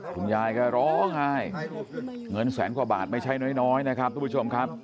คุณยายก็ร้องไห้เงินแสนกว่าบาทไม่ใช่น้อยนะครับทุกผู้ชมครับ